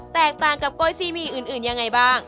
แตกต่างกับโกยซีหมี่อื่นยังไงบ้าง